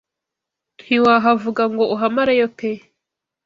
ntiwahavuga ngo uhamareyo pe